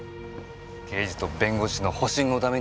刑事と弁護士の保身のために。